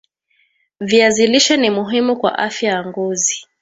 viazi lishe ni muhimu kwa afya ya ngozi